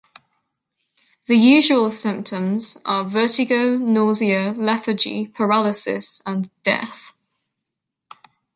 The usual symptoms are vertigo, nausea, lethargy, paralysis and death.